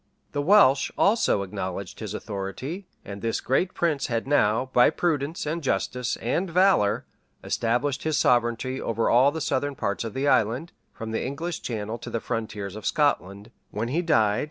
[*] The Welsh also acknowledged his authority; and this great prince had now, by prudence, and justice, and valor, established his sovereignty over all the southern parts of the island, from the English Channel to the frontiers of Scotland; when he died, {901.